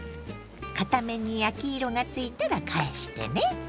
片面に焼き色がついたら返してね。